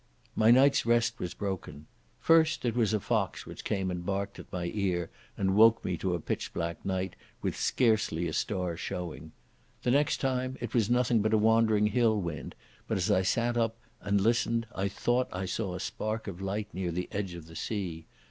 My night's rest was broken. First it was a fox which came and barked at my ear and woke me to a pitch black night, with scarcely a star showing. The next time it was nothing but a wandering hill wind, but as I sat up and listened I thought I saw a spark of light near the edge of the sea.